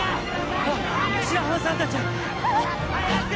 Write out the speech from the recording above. あっ白浜さんたちや早く！